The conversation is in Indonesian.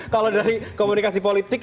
kalau dari komunikasi politik